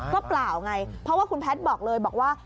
ก็เปล่าไงเพราะว่าคุณแพทย์บอกเลยบอกว่า